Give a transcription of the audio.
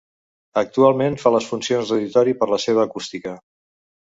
Actualment fa les funcions d'auditori per la seva acústica.